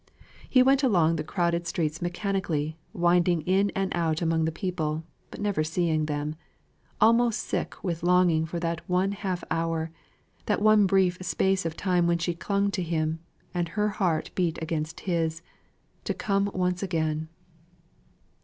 He went along the crowded streets mechanically, winding in and out among the people, but never seeing them, almost sick with longing for that one half hour that one brief space of time when she clung to him, and her heart beat against his to come once again.